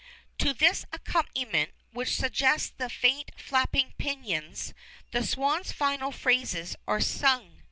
To this accompaniment, which suggests the faint flapping pinions, the swan's final phrases are sung.